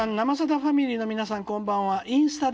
ファミリーの皆さんこんばんはインスタで」。